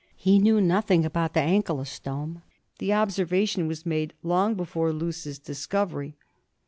He knew nothing about the ankylostome ; the observation was made long before Loos's discovery.